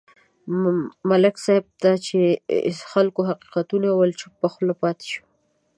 ملک صاحب ته چې خلکو حقیقتونه وویل، چوپه خوله پاتې شو.